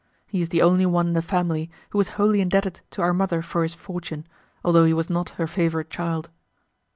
He is the only one in the family who was wholly indebted to our mother for his fortune, although he was not her favourite child.